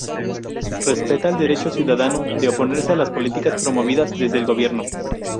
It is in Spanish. Respeta el derecho ciudadano de oponerse a las políticas promovidas desde el gobierno.